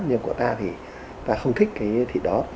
nhưng của ta thì ta không thích cái thịt đó